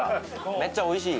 めっちゃおいしい！